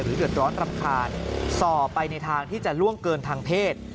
เดือดร้อนรำคาญส่อไปในทางที่จะล่วงเกินทางเพศ